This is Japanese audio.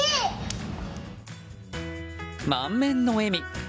満面の笑み。